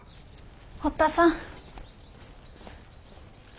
堀田さん。